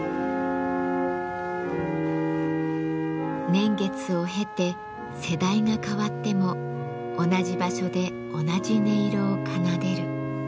年月を経て世代が変わっても同じ場所で同じ音色を奏でる。